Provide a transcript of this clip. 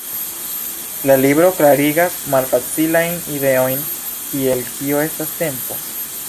La libro klarigas malfacilajn ideojn, kiel "kio estas tempo?